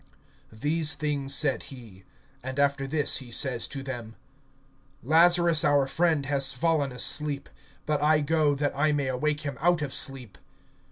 (11)These things said he; and after this he says to them: Lazarus our friend has fallen asleep; but I go, that I may awake him out of sleep.